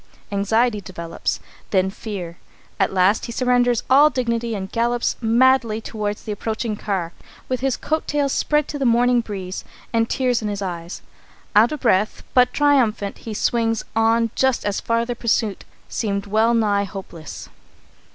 Anxiety develops, then fear. At last he surrenders all dignity and gallops madly toward the approaching car, with his coat tails spread to the morning breeze and tears in his eyes. Out of breath, but triumphant, he swings on just as farther pursuit seemed well nigh hopeless.